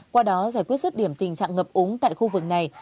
qua đó giải quyết rứt điểm tình trạng ngập úng tại khu vực này